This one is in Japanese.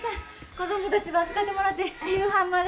子どもたちば預かってもらって夕飯まで。